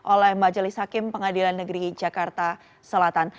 oleh majelis hakim pengadilan negeri jakarta selatan